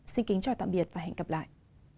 xin kính chào tạm biệt và hẹn gặp lại